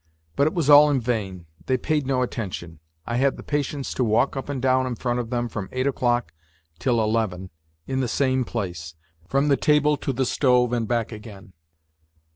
But it was all in vain. They paid no attention. I had the patience to walk up and down in front of them from eight o'clock till eleven, in the same place, from the table to the stove and back again.